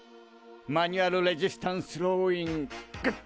マニュアルレジスタンスローイングッ！